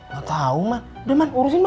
gak tau man udah man urusin